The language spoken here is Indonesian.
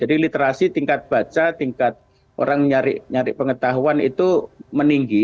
jadi literasi tingkat baca tingkat orang mencari pengetahuan itu meninggi